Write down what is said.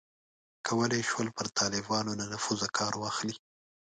کولای یې شول پر طالبانو له نفوذه کار واخلي.